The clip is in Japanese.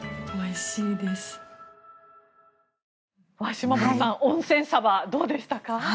島本さん温泉サバ、どうでしたか？